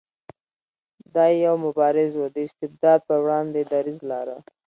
دی یو مبارز و د استبداد په وړاندې دریځ لاره.